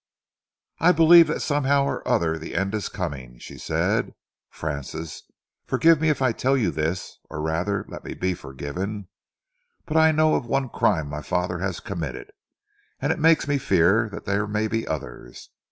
"I believe that somehow or other the end is coming," she said. "Francis, forgive me if I tell you this or rather let me be forgiven but I know of one crime my father has committed, and it makes me fear that there may be others.